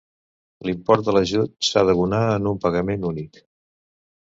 L'import de l'ajut s'ha d'abonar en un pagament únic.